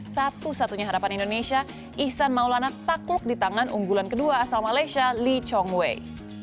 satu satunya harapan indonesia ihsan maulana takluk di tangan unggulan kedua asal malaysia lee chong wei